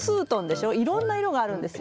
いろんな色があるんですよ。